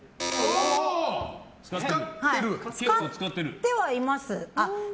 使ってはいます。